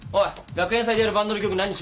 学園祭でやるバンドの曲何にしようか？